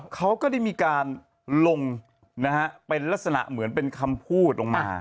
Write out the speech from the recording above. เขาก็ได้มีการลงนะฮะเป็นลักษณะเหมือนเป็นคำพูดลงมา